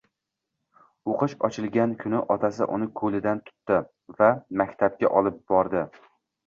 O'qish ochilgan kuni otasi uni ko'lidan tutdi va maktabga olib bordi.